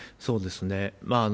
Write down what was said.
そうですね。